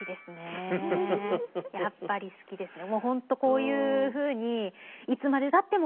やっぱり好きですね。